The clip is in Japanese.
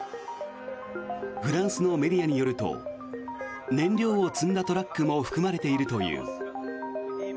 フランスのメディアによると燃料を積んだトラックも含まれているという。